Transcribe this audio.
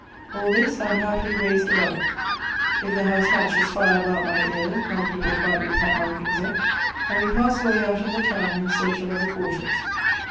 All this I am happily raised above. If the house catches fire about my ears, my people quietly pack my things up, and we pass away out of the town in search of other quarters.